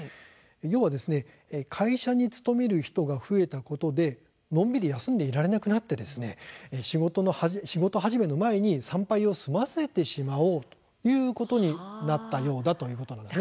要は会社に勤める人が増えたことでのんびり休んでいられなくなって仕事始めの前に参拝を済ませてしまおうということになったようだということなんです。